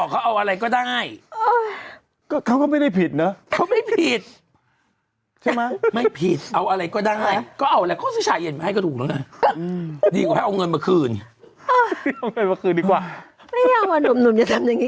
เขาเอาอะไรก็ได้นะอ้าวไม่ต้องเลย